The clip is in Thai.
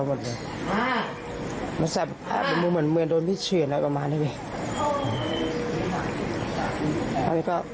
มันแสบเป็นมุมเหมือนโดนพิเศษอะไรประมาณนี้